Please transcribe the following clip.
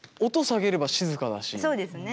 そうですね。